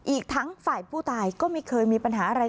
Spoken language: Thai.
อีกทั้งฝ่ายผู้ตายก็ไม่เคยมีปัญหาอะไร